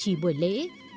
chỉ buổi lễ